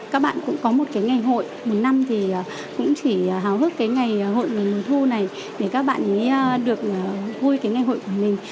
các bạn cũng có một ngày hội một năm thì cũng chỉ hào hức ngày hội luân thu này để các bạn được vui ngày hội của mình